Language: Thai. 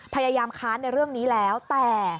พยายามค้านในเรื่องนี้แล้วแต่